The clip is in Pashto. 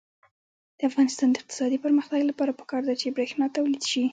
د افغانستان د اقتصادي پرمختګ لپاره پکار ده چې برښنا تولید شي.